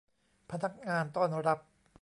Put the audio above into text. พนักงานต้อนรับ